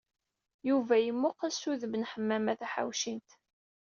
Yuba yemmuqqel s udem n Ḥemmama Taḥawcint.